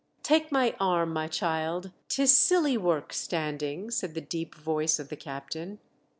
" Take my arm, my child ; 'tis ally work standing," said the deep voice of t captain.